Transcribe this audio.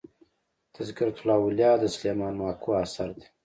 تذکرة الاولياء د سلېمان ماکو اثر دئ.